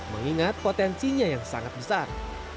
mengingat potensinya yang sangat besar